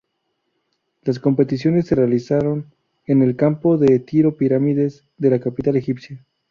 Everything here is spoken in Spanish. Las competiciones se realizaron en el Campo de Tiro Pirámides de la capital egipcia.